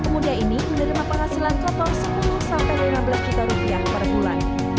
lima pemuda ini menerima penghasilan kotor rp sepuluh enam belas juta per bulan